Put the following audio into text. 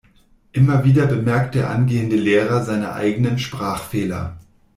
Immer wieder bemerkt der angehende Lehrer seine eigenen Sprachfehler.